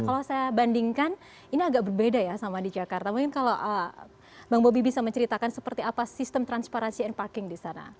kalau saya bandingkan ini agak berbeda ya sama di jakarta mungkin kalau bang bobi bisa menceritakan seperti apa sistem transparansi and parking di sana